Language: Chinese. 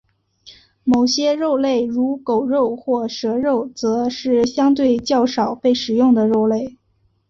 某些肉类如狗肉或蛇肉则是相对较少被食用的肉类。